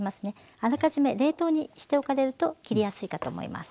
あらかじめ冷凍にしておかれると切りやすいかと思います。